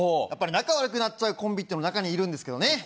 やっぱり仲悪くなっちゃうコンビっていうのも中にはいるんですけどね。